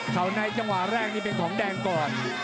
เท่าอะไรที่ว่าแรงนี้เป็นของดั่งก่อน